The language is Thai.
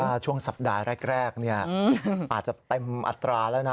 ผมว่าช่วงสัปดาห์แรกเนี่ยอาจจะเต็มอัตราแล้วนะ